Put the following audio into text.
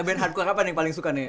dari hardcore apa yang paling suka nih